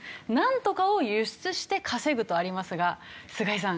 なんとかを輸出して稼ぐとありますが菅井さん